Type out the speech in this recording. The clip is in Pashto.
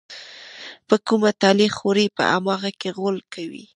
په کومه تالې خوري، په هماغه کې غول کوي.